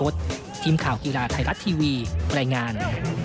ทีมข่าวกีฬาไทยรัฐทีวีรายงาน